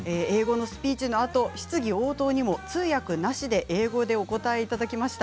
そのあと質疑応答にも通訳なしで英語でお答えいただきました。